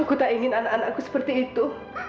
aku tak ingin anak anakku seperti itu